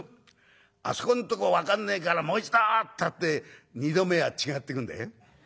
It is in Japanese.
『あそこんとこ分かんねえからもう一度』ったって二度目は違ってくんだよ」。